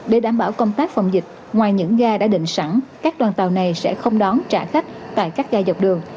để đảm bảo công tác phòng dịch ngoài những ga đã định sẵn các đoàn tàu này sẽ không đón trả khách tại các ga dọc đường